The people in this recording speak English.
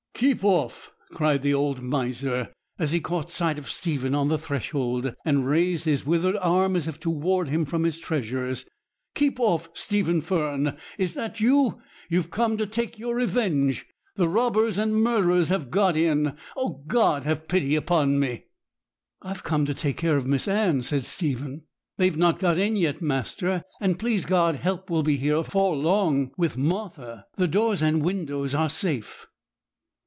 'Keep off!' cried the old miser, as he caught sight of Stephen on the threshold; and he raised his withered arm as if to ward him from his treasures. 'Keep off! Stephen Fern, is it you? You've come to take your revenge. The robbers and murderers have got in! O God, have pity upon me!' 'I'm come to take care of Miss Anne,' said Stephen, 'They've not got in yet, master. And, please God, help will be here afore long with Martha. The doors and windows are safe.'